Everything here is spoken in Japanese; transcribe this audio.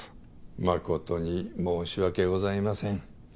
誠に申し訳ございません。